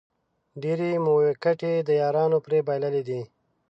ډېرې مو وېکټې د یارانو پرې بایللې دي